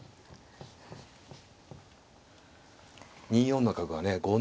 ２四の角はね